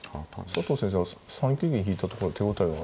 佐藤先生は３九銀引いたところの手応えは。